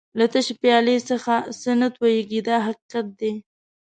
له تشې پیالې څخه څه نه تویېږي دا حقیقت دی.